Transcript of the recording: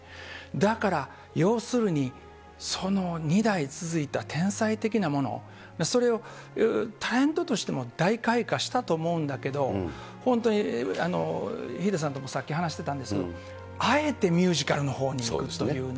だから要するに２代続いた天才的なもの、それをタレントとしても大開花したと思うんだけど、本当にヒデさんともさっき話してたんですけれども、あえてミュージカルのほうにいくというね。